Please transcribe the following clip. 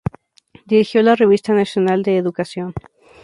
Dirigió la "Revista Nacional de Educación".